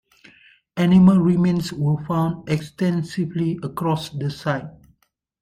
Animal remains were found extensively across the site.